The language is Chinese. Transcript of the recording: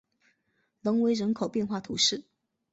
隆维人口变化图示